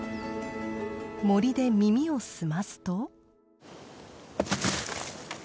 森で耳を澄ますと。